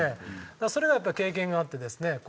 それはやっぱり経験があってですね